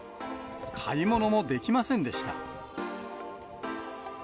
買い物もできませんでした。